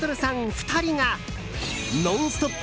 ２人が「ノンストップ！」